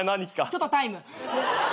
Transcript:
ちょっとタイム。